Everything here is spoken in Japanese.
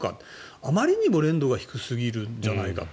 あまりにも練度が低すぎるんじゃないかって。